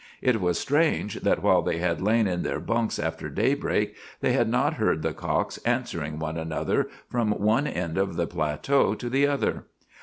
It was strange that while they had lain in their bunks after daybreak they had not heard the cocks answering one another from one end of the plateau to the other.